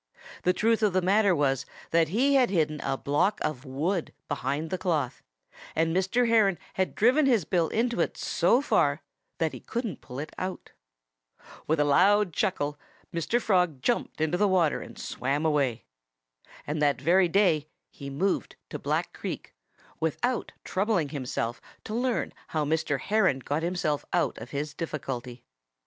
The truth of the matter was that he had hidden a block of wood behind the cloth, and Mr. Heron had driven his bill into it so far that he couldn't pull it out. With a loud chuckle Mr. Frog jumped into the water and swam away. And that very day he moved to Black Creek, without troubling himself to learn how Mr. Heron got himself out of his difficulty.